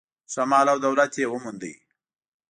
ښه مال او دولت یې وموند.